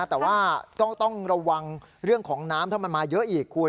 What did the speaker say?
แต่ว่าต้องระวังเรื่องของน้ำถ้ามันมาเยอะอีกคุณ